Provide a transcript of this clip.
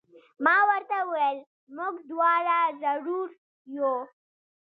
ما ورته وویل: موږ دواړه زړور یو.